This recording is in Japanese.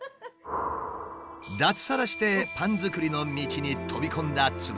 脱サラしてパン作りの道に飛び込んだ鶴田さん。